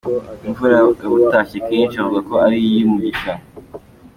"Imvura yabutashye, kenshi bavuga ko iyi ari iy'umugisha.